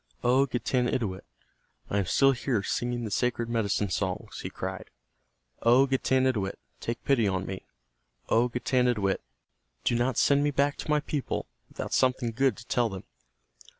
"O Getanittowit, I am still here singing the sacred medicine songs," he cried. "O Getanittowit, take pity on me. O Getanittowit, do not send me back to my people without something good to tell them.